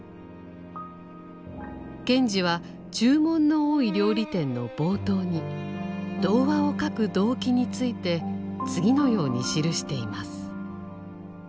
賢治は「注文の多い料理店」の冒頭に童話を書く動機について次のように記しています。